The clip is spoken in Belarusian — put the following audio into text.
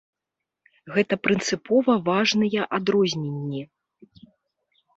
Гэта прынцыпова важныя адрозненні!